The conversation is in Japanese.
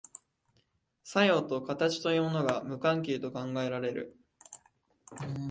作用と形というものが無関係と考えられる。